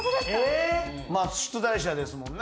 まあ出題者ですもんね。